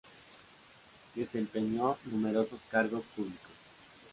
Desempeñó numerosos cargos públicos.